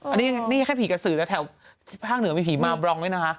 อันนี้แค่ผีกระสืรแล้วทางเหนือมีผีมาบลองด้วยนะคะ